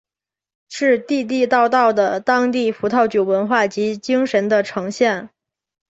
是地地道道的当地葡萄酒文化及精神的呈现。